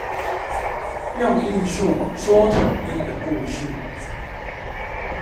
用藝術，說土地的故事